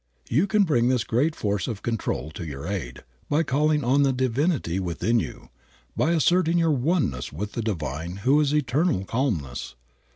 You can bring this great force of control to your aid, by calling on the divinity within you, by asserting your oneness with the Divine who is eternal calmness.